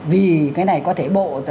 vì cái này có thể bộ